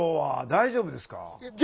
大丈夫ですか？